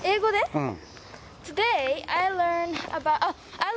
うん。